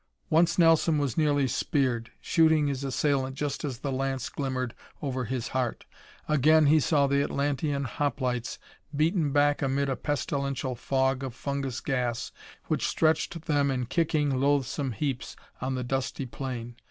Once Nelson was nearly speared, shooting his assailant just as the lance glimmered over his heart. Again he saw the Atlantean hoplites beaten back amid a pestilential fog of fungus gas which stretched them in kicking, loathsome heaps on the dusty plain.